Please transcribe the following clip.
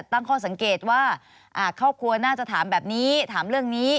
ตั้งข้อสังเกตว่าครอบครัวน่าจะถามแบบนี้ถามเรื่องนี้